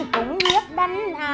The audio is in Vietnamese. cùng nhếp đánh